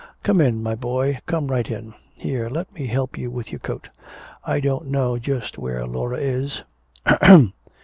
"Come in, my boy, come right in! Here, let me help you with your coat. I don't know just where Laura is. Ahem!"